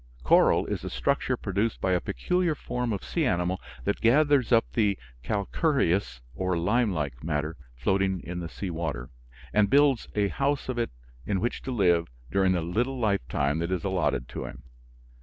Coral is a structure produced by a peculiar form of sea animal that gathers up the calcareous or lime like matter floating in the sea water, and builds a house of it in which to live during the little lifetime that is allotted to him.